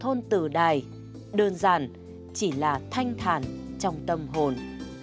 thôn từ đài đơn giản chỉ là thanh thản trong tâm hồn